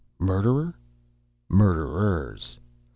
Murderer? Murderers!